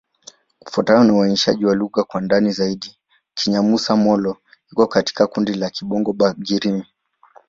Kufuatana na uainishaji wa lugha kwa ndani zaidi, Kinyamusa-Molo iko katika kundi la Kibongo-Bagirmi.